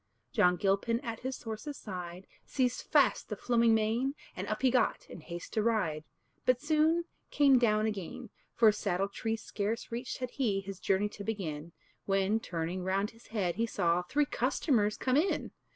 John Gilpin at his horse's side Seized fast the flowing mane, And up he got, in haste to ride, But soon came down again; For saddle tree scarce reached had he, His journey to begin, When, turning round his head, he saw Three customers come in.